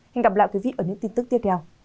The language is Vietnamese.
hẹn gặp lại quý vị ở những tin tức tiếp theo